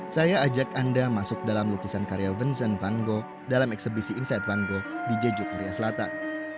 saya ajak anda masuk dalam lukisan karya vincent van gogh dalam eksebisi inside van gogh di jeju korea selatan